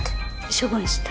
処分した。